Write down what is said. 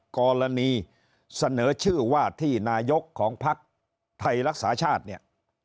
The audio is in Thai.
กรณีเสนอชื่อว่าที่นายกของภักดิ์ไทยรักษาชาติ